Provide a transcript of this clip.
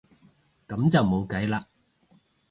噉就冇計啦